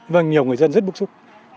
và nhiều người dân rất bức xúc